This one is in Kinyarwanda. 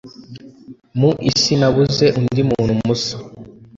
Mu isi nabuze undi muntu musa